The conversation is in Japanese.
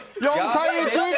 ４対１。